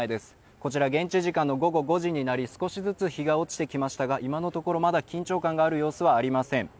こちら現地時間の午後５時になり、少しずつ日が落ちてきましたが今のところ、まだ緊張感がある様子はありません。